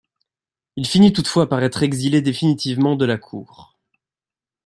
Il finit toutefois par être exilé définitivement de la cour.